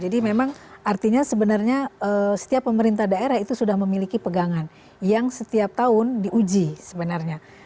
jadi memang artinya sebenarnya setiap pemerintah daerah itu sudah memiliki pegangan yang setiap tahun diuji sebetulnya